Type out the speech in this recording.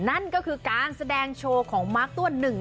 นั่นก็คือการแสดงโชว์ของมาร์คตัวหนึ่ง